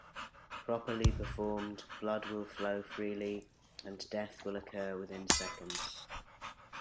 Properly performed, blood will flow freely and death will occur within seconds.